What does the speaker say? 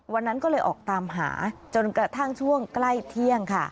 วันนั้นก็เลยออกตามหาจนกระทั่งช่วงใกล้เที่ยงค่ะ